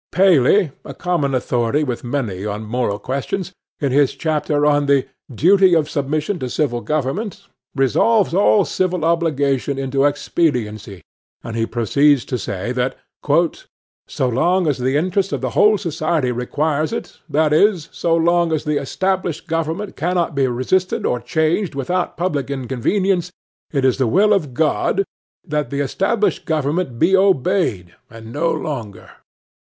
Paley, a common authority with many on moral questions, in his chapter on the "Duty of Submission to Civil Government," resolves all civil obligation into expediency; and he proceeds to say, "that so long as the interest of the whole society requires it, that is, so long as the established government cannot be resisted or changed without public inconveniency, it is the will of God that the established government be obeyed, and no longer."